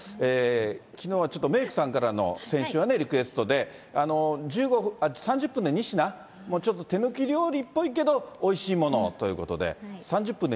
きのうはちょっとメークさんからの先週はね、リクエストでね、３０分で２品、ちょっと手抜き料理っぽいけどおいしいものを楽しみ。